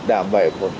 đảm bảo về lòng sống